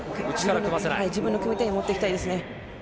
自分の組み手に持っていきたい。